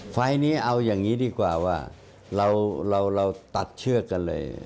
ไฟล์นี้เอาอย่างนี้ดีกว่าว่าเราตัดเชือกกันเลย